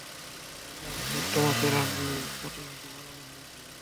Ramesses, তোমাকে রাজপ্রতিনিধি বানানো হয়েছে।